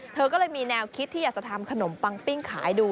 เธอก็เลยมีแนวคิดที่อยากจะทำขนมปังปิ้งขายดู